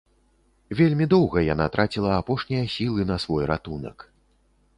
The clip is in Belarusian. Вельмі доўга яна траціла апошнія сілы на свой ратунак.